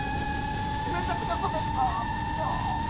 めちゃくちゃスベった！